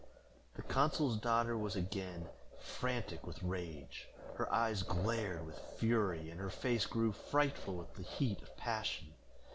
The consul's daughter was again frantic with rage; her eyes glared with fury, and her face grew frightful with the heat of passion.